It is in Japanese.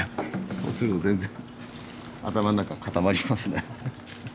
そうすると全然頭の中固まりますね。